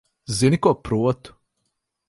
Zini, ko protu?